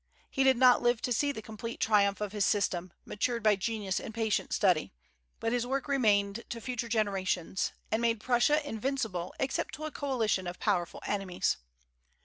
He did not live to see the complete triumph of his system, matured by genius and patient study; but his work remained to future generations, and made Prussia invincible except to a coalition of powerful enemies.